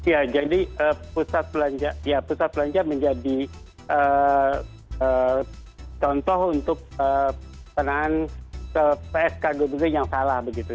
ya jadi pusat belanja menjadi contoh untuk penahan pskg yang salah begitu